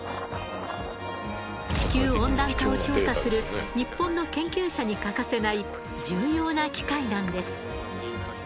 地球温暖化を調査する日本の研究者に欠かせない重要な機械なんです。